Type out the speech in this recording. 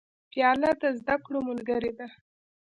پیاله د زده کړو ملګرې ده.